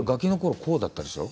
こうだったでしょう？